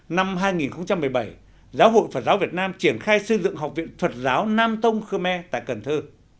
năm hai nghìn một mươi bảy giáo hội phật giáo việt nam triển khai xây dựng học viện phật giáo nam tông khmer tại cần thơ